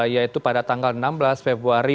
yaitu pada tanggal enam belas februari